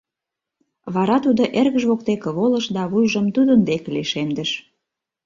Вара тудо эргыж воктеке волыш да вуйжым тудын деке лишемдыш.